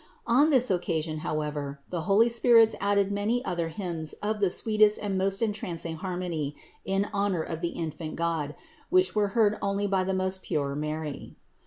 On this occasion however the holy spirits added 508 CITY OF GOD many other hymns of the sweetest and most entrancing harmony in honor of the infant God, which were heard only by the most pure Mary.